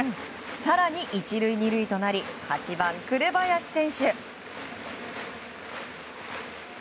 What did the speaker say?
更に１塁２塁となり８番、紅林選手。